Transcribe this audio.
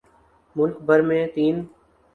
ملک بھر میں تین